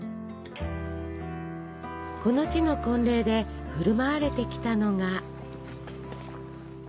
この地の婚礼で振る舞われてきたのが。